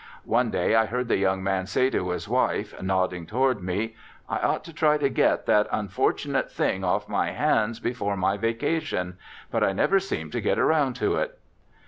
One day I heard the young man say to his wife, nodding toward me: "I ought to try to get that unfortunate thing off my hands before my vacation, but I never seem to get around to it."